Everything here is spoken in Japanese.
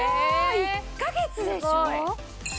１か月でしょ？